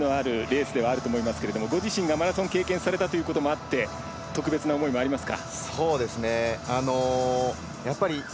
やはりどの種目も等しく価値のあるレースではあると思いますけれどもご自身がマラソンを経験されたということもあって特別な思いもありますか？